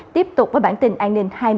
tiếp tục với bản tin an ninh hai mươi bốn h